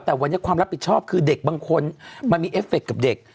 แต่วันนี้ความรับผิดชอบคือเด็กบางคนมันมีเอฟเฟคกับเด็ก